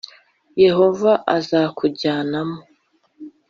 Yehova azakujyanamo. “